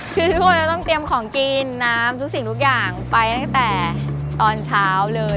คือทุกคนจะต้องเตรียมของกินน้ำทุกสิ่งทุกอย่างไปตั้งแต่ตอนเช้าเลย